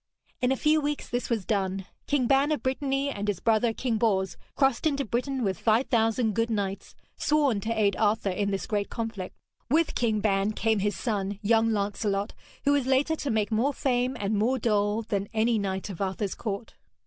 In a few weeks this was done. King Ban of Brittany and his brother, King Bors, crossed into Britain with five thousand good knights, sworn to aid Arthur in this great conflict. With King Ban came his son, young Lancelot, who was later to make more fame and more dole than any knight of Arthur's court.